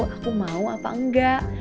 aku mau apa enggak